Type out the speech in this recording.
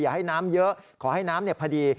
ให้น้ำเยอะขอให้น้ำพอดี